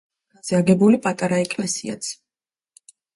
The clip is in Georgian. აქვეა მომცრო ბაქანზე აგებული პატარა ეკლესიაც.